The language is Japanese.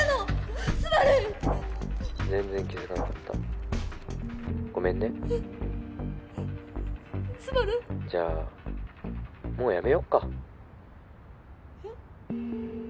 全然気付かなかったごめんねスバルじゃあもうやめよっかえっ？